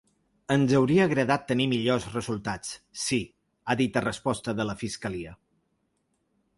Ens hauria agradat tenir millors resultats, sí, ha dit a resposta de la fiscalia.